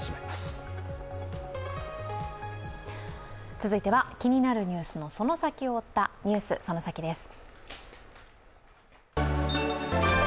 続いては気になるニュースのその先を追った、「ＮＥＷＳそのサキ！」です。